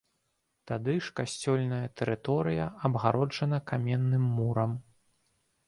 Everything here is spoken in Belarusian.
Тады ж касцёльная тэрыторыя абгароджана каменным мурам.